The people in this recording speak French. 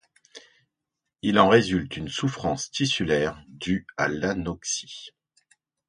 Il en résulte une souffrance tissulaire due à l'anoxie.